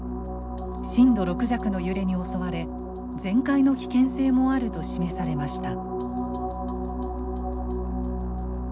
震度６弱の揺れに襲われ全壊の危険性もあると示されました。